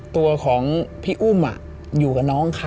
ตัวของพี่อุ้มอยู่กับน้องเขา